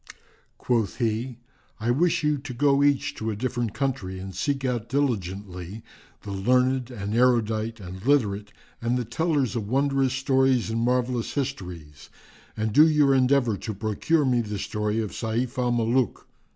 Quoth he, "I wish you to go each to a different country and seek out diligently the learned and erudite and literate and the tellers of wondrous stories and marvellous histories and do your endeavour to procure me the story of Sayf al Mulúk.